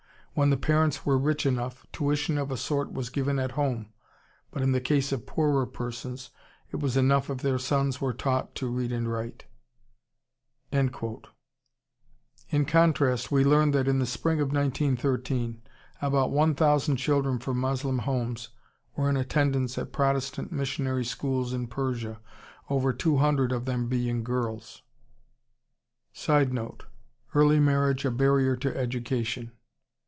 When the parents were rich enough, tuition of a sort was given at home, but in the case of poorer persons it was enough if their sons were taught to read and write." In contrast we learn that in the spring of 1913 about one thousand children from Moslem homes were in attendance at Protestant missionary schools in Persia, over two hundred of them being girls. [Sidenote: Early marriage a barrier to education.